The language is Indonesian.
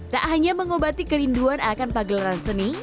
tak hanya mengobati kerinduan akan pagelaran seni